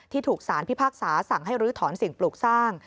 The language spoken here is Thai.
ถูกสารพิพากษาสั่งให้ลื้อถอนสิ่งปลูกสร้าง